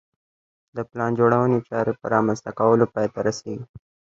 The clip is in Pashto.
د پلان جوړونې چارې په رامنځته کولو پای ته رسېږي.